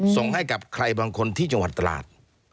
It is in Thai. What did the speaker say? ส่งให้กับใครบางคนที่จังหวัดตราด